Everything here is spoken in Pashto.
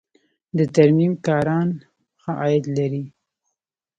د ترمیم کاران ښه عاید لري